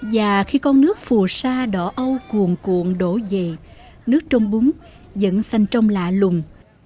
và khi con nước phù sa đỏ âu cuồn cuộn đổ về nước trong bún vẫn xanh trong lạ lùng